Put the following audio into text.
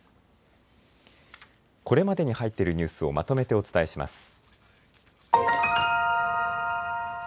これまでに入っているニュースをまとめてお伝えします。